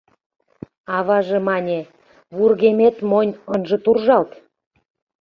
Аваже мане: вургемет монь ынже туржалт.